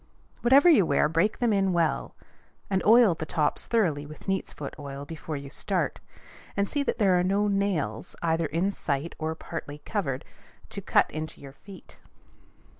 Whatever you wear, break them in well, and oil the tops thoroughly with neat's foot oil before you start; and see that there are no nails, either in sight or partly covered, to cut your feet.